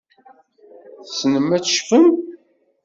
Tessnem ad tecfem?